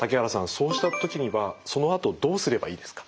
そうした時にはそのあとどうすればいいですか？